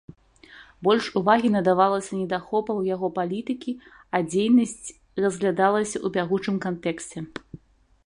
Больш увагі надавалася недахопаў яго палітыкі, а дзейнасць разглядалася ў бягучым кантэксце.